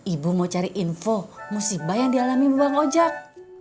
ibu mau cari info musibah yang dialami bang ojek